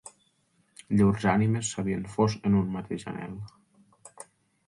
Llurs ànimes s'havien fos en un mateix anhel.